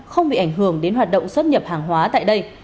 không bị ảnh hưởng đến hoạt động xuất nhập hàng hóa tại đây